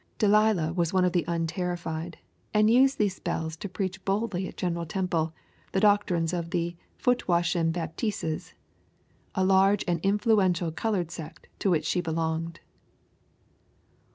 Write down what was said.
Delilah was one of the unterrified, and used these spells to preach boldly at General Temple the doctrines of the "Foot washin' Baptisses," a large and influential colored sect to which she belonged.